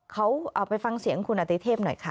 เขาเอาไปฟังเสียงคุณอติเทพหน่อยค่ะ